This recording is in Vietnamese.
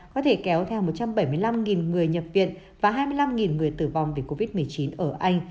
có thể kéo theo một trăm bảy mươi năm người nhập viện và hai mươi năm người tử vong vì covid một mươi chín ở anh